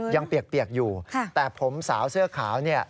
เปียกอยู่แต่ผมสาวเสื้อขาวเนี่ย